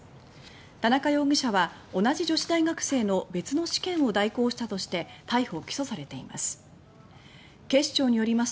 田中容疑者は同じ女子大学生の別の試験を代行したとして逮捕・起訴されています。